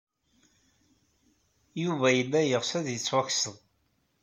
Yuba yella yeɣs ad yettwakseḍ.